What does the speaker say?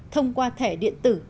thông qua thẻ điện tử e card